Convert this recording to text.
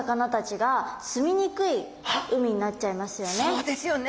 そうですよね。